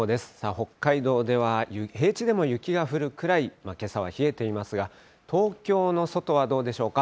北海道では平地でも雪が降るくらい、けさは冷えていますが、東京の外はどうでしょうか。